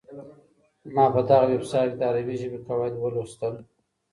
ما په دغه ویبسایټ کي د عربي ژبې قواعد ولوسهمېشه.